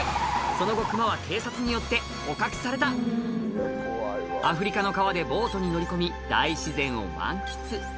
その後クマは警察によって捕獲されたアフリカの川でボートに乗り込み大自然を満喫